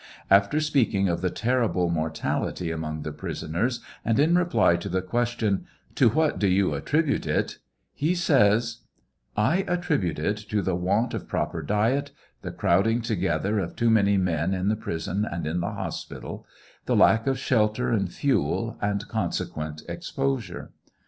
After speaking of the terrible mortality among the prisoners, am in reply to the question :" To what do you attribute it V he says : I attribute it to the want of proper diet, the crowding together of too many men in th prison and in the hospital, the lack of shelter and fuel, and consequent exposure.